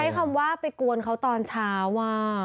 คำว่าไปกวนเขาตอนเช้าว่า